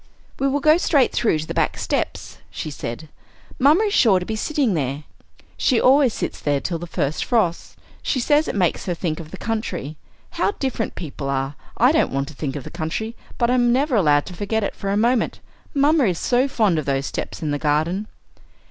"We will go straight through to the back steps," she said. "Mamma is sure to be sitting there; she always sits there till the first frost; she says it makes her think of the country. How different people are! I don't want to think of the country, but I'm never allowed to forget it for a moment. Mamma is so fond of those steps and the garden."